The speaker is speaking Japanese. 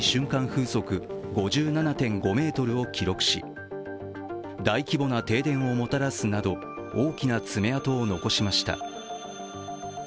風速５７．５メートルを記録し大規模な停電をもたらすなど、大きな爪痕を残しました。